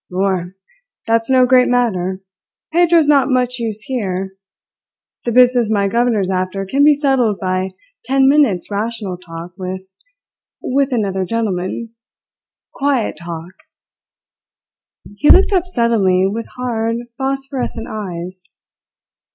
"Lor'! That's no great matter. Pedro's not much use here. The business my governor's after can be settled by ten minutes' rational talk with with another gentleman. Quiet talk!" He looked up suddenly with hard, phosphorescent eyes.